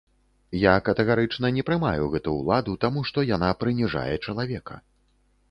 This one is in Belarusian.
Я катэгарычна не прымаю гэту ўладу, таму што яна прыніжае чалавека.